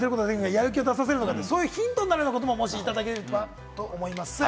やる気を出させるのか、そういうヒントになることがいただけると思います。